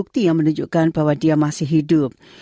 bukti yang menunjukkan bahwa dia masih hidup